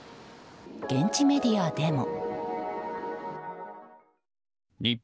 現地メディアでも。